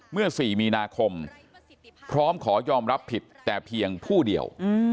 เมื่อ๔มีนาคมพร้อมขอยอมรับผิดแต่เพียงผู้เดียว